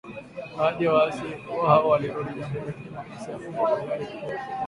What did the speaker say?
Baadhi ya waasi hao walirudi Jamuhuri ya Kidemokrasia ya Kongo kwa hiari huku wengine